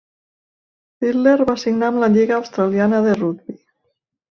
Fittler va signar amb la lliga australiana de rugbi.